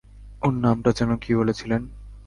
ওর নামটা যেন কী বলেছিলেন?